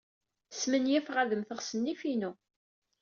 Smenyafeɣ ad mmteɣ s nnif-inu.